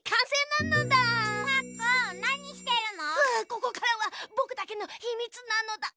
ここからはぼくだけのひみつなのだ！